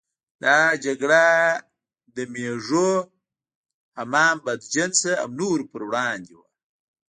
دا جګړه د مېږو، حمام بدجنسه او نورو پر وړاندې وه.